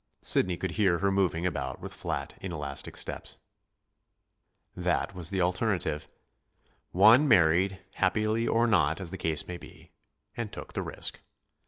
Sidney could hear her moving about with flat, inelastic steps. That was the alternative. One married, happily or not as the case might be, and took the risk.